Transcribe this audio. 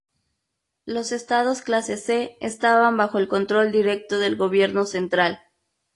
Los estados clase "C" estaban bajo el control directo del Gobierno Central.